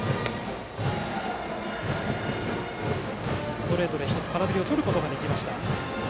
ストレートで１つ空振りをとることができました。